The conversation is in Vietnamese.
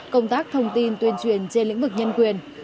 công tác thông tin tuyên truyền trên lĩnh vực nhân quyền